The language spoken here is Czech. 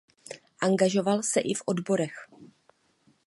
Angažoval se i v odborech.